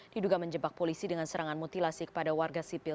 diduga menjebak polisi dengan serangan mutilasi kepada warga sipil